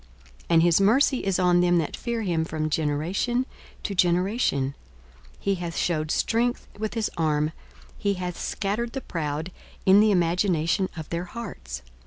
42:001:050 And his mercy is on them that fear him from generation to generation. 42:001:051 He hath shewed strength with his arm; he hath scattered the proud in the imagination of their hearts.